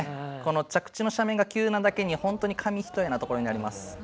着地の斜面が急なだけに本当に紙一重なところになります。